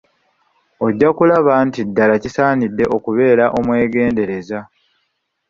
Ojja kulaba nti ddala kisaanidde okubeera omwegendereza.